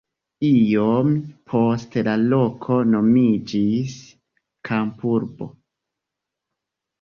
Iom poste la loko nomiĝis kampurbo.